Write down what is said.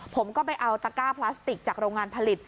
ผมก็ไปเอาตะก้าพลาสติกจากโรงงานผลิต